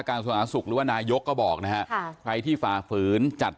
สถานสุขหรือว่านายกก็บอกนะฮะค่ะใครที่ฝ่าฝืนจัด